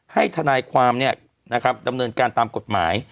ทนายความดำเนินการตามกฎหมาย